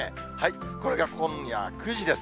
これが今夜９時です。